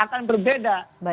sekarang terakhir ke pak saiful